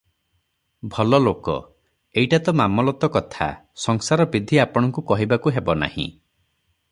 ଭଲଲୋକ- ଏଇଟା ତ ମାମଲତ କଥା, ସଂସାର ବିଧି ଆପଣଙ୍କୁ କହିବାକୁ ହେବ ନାହିଁ ।